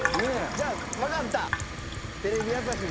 じゃあわかった！